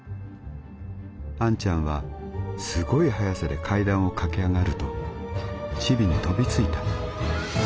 あんちゃんはすごい速さで階段を駆け上がるとチビに飛びついた。